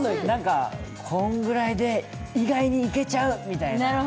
こんぐらいで意外にイケちゃうみたいな。